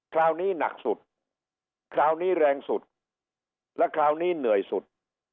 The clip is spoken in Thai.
คราวนี้หนักสุดคราวนี้แรงสุดและคราวนี้เหนื่อยสุด